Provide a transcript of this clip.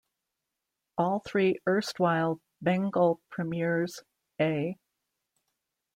All three erstwhile Bengal premiers-A.